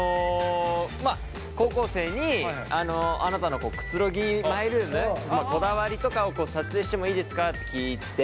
高校生にあなたのくつろぎマイルームこだわりとかを撮影してもいいですかって聞いて。